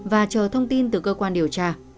và chờ thông tin từ cơ quan điều tra